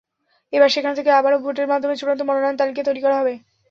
এবার সেখান থেকে আবারও ভোটের মাধ্যমে চূড়ান্ত মনোনয়ন তালিকা তৈরি করা হবে।